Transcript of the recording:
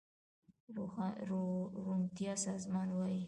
روڼتيا سازمان وايي